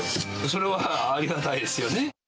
それはありがたいですよね。